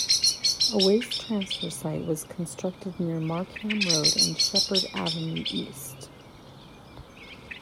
A waste transfer site was constructed near Markham Road and Sheppard Avenue East.